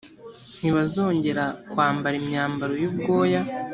ntibazongera kwambara imyambaro y’ubwoya